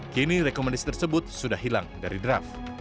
kini rekomendasi tersebut sudah hilang dari draft